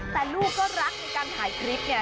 แต่ลูกก็รักในการถ่ายคลิปไง